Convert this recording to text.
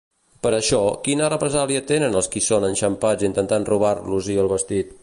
Per això, quina represàlia tenen els qui són enxampats intentant robar-los-hi el vestit?